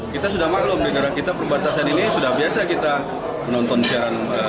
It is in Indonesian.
kita sudah maklum di negara kita perbatasan ini sudah biasa kita menonton siaran